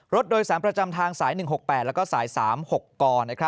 รถโดยสารประจำทางสาย๑๖๘แล้วก็สาย๓๖ก